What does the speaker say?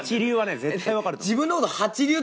絶対分かる。